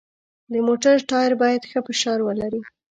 د موټر ټایر باید ښه فشار ولري.